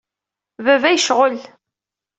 Baba yecɣel.